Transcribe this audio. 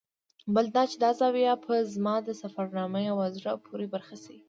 بل دا چې دا زاویه به زما د سفرنامې یوه زړه پورې برخه شي.